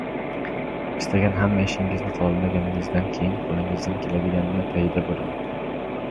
Istagan hamma ishingizni qilolmaganingizdan keyin qo‘lingizdan keladiganining payida bo‘ling.